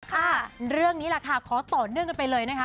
ค่ะเรื่องนี้แหละค่ะขอต่อเนื่องกันไปเลยนะคะ